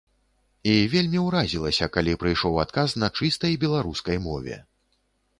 І вельмі ўразілася, калі прыйшоў адказ на чыстай беларускай мове.